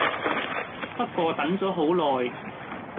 不過等左好耐